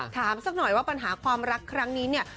สักหน่อยว่าปัญหาความรักครั้งนี้เนี่ย